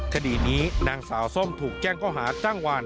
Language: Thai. คดีนี้นางสาวส้มถูกแจ้งข้อหาจ้างวาน